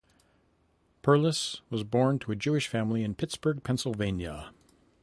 Perlis was born to a Jewish family in Pittsburgh, Pennsylvania.